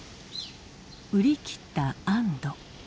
売り切った安堵。